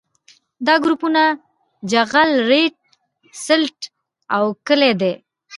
دا ګروپونه جغل ریګ سلټ او کلې دي